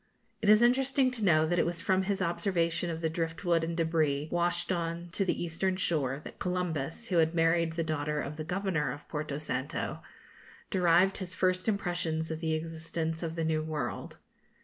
It is interesting to know that it was from his observation of the drift wood and débris washed on to the eastern shore that Columbus, who had married the daughter of the Governor of Porto Santo, derived his first impressions of the existence of the New World.